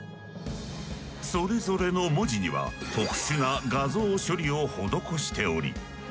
それぞれの文字には特殊な画像処理を施しており。